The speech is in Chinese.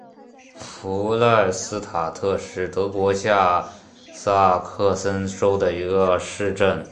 弗赖斯塔特是德国下萨克森州的一个市镇。